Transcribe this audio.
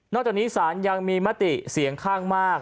จากนี้ศาลยังมีมติเสียงข้างมาก